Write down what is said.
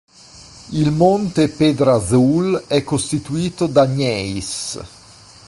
Il Monte Pedra Azul è costituito da gneiss.